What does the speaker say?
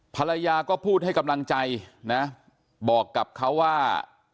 ภรรยาก็พูดให้กำลังใจนะบอกกับเขาว่า